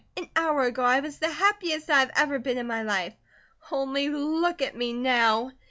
An hour ago I was the happiest I have ever been in my life; only look at me now!